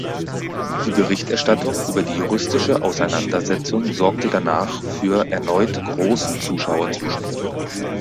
Die Berichterstattung über die juristische Auseinandersetzung sorgte danach für erneut großen Zuschauerzuspruch.